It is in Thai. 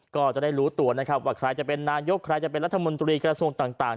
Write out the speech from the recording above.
ก็จะได้รู้ตัวนะครับว่าใครจะเป็นนายกใครจะเป็นรัฐมนตรีกระทรวงต่าง